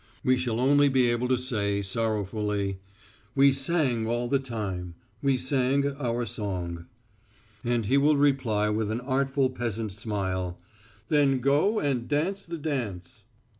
We shall only be able to say sorrowfully, "We sang all the time. We sang our song." And he will reply with an artful peasant smile, "Then go and dance the dance."